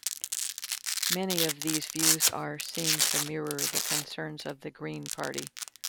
Many of these views are seen to mirror the concerns of the Green party.